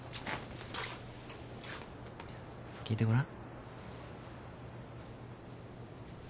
聞いてごらん。